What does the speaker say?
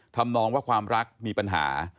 ทำนองว่าความรักมีปัญหา